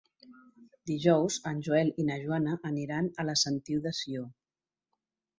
Dijous en Joel i na Joana aniran a la Sentiu de Sió.